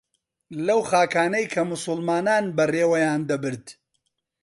لەو خاکانەی کە موسڵمانان بەڕێوەیان دەبرد